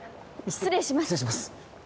失礼します